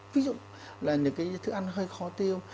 ví dụ là những cái thức ăn hơi khó tiêu